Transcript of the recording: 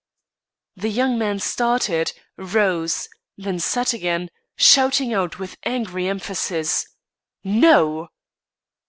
The young man started, rose, then sat again, shouting out with angry emphasis: "_No!